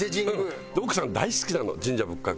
奥さん大好きなの神社仏閣。